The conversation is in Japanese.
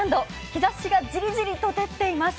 日ざしがじりじりと照っています。